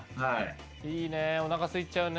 いいねおなかすいちゃうね。